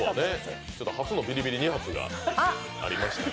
初のビリビリ２発がありました。